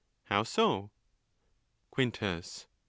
—How so ! Quintus.